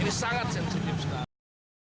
ini sangat sensitif sekali